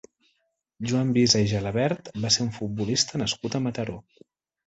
Joan Visa i Gelabert va ser un futbolista nascut a Mataró.